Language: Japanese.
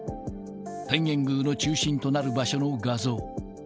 天苑宮の中心となる場所の画像。